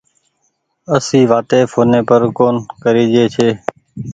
اسي وآتي ڦوني پر ڪون ڪريجي ڇي